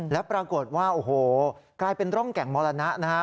แล้วปรากฏว่าโอ้โหกลายเป็นร่องแก่งมรณะนะฮะ